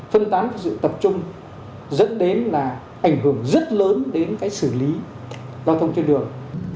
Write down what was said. phân tán sự tập trung dẫn đến là ảnh hưởng rất lớn đến cái xử lý giao thông trên đường